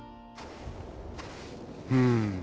うん。